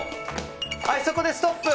そこでストップ！